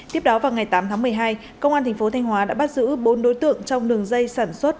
tiếp đó vào ngày tám tháng một mươi hai công an thành phố thanh hóa đã bắt giữ bốn đối tượng trong đường dây sản xuất